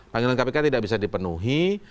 panggilan kpk tidak bisa dipenuhi